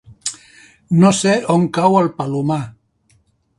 No sé on cau el Palomar.